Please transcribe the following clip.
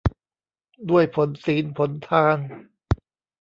ด้วยผลศีลผลทาน